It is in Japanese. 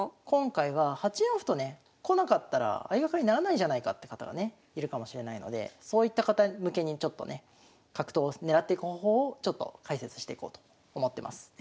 今回は８四歩とねこなかったら相掛かりにならないじゃないかって方がねいるかもしれないのでそういった方向けにちょっとね角頭を狙っていく方法をちょっと解説していこうと思ってます。